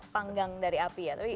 panggang dari api ya